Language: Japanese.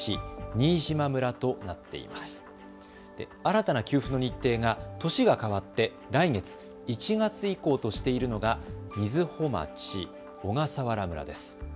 新たな給付の日程が年がかわって来月１月以降としているのが瑞穂町、小笠原村です。